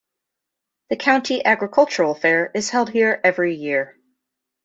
The county agricultural fair is held here every year.